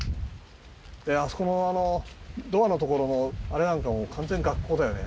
あそこのあのドアの所のあれなんかも完全学校だよね。